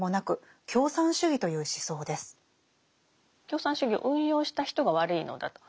共産主義を運用した人が悪いのだと。